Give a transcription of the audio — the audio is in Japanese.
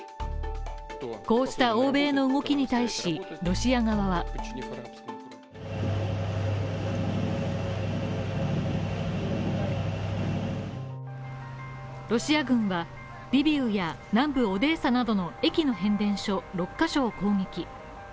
こうした欧米の動きに対し、ロシア側はロシア軍はリビウや南部オデーサなどの駅の変電所６ヶ所を攻撃。